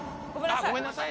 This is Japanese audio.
あ！ごめんなさい。